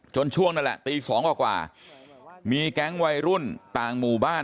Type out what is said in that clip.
ช่วงนั่นแหละตี๒กว่ามีแก๊งวัยรุ่นต่างหมู่บ้าน